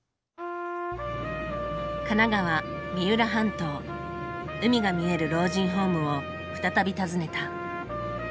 神奈川・三浦半島海が見える老人ホームを再び訪ねた。